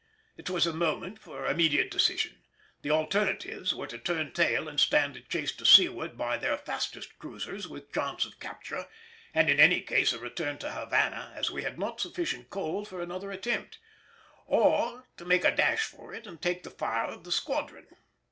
It was a moment for immediate decision: the alternatives were to turn tail and stand a chase to seaward by their fastest cruisers with chance of capture, and in any case a return to Havana as we had not sufficient coal for another attempt, or to make a dash for it and take the fire of the squadron.